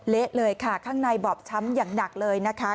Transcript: เละเลยค่ะข้างในบอบช้ำอย่างหนักเลยนะคะ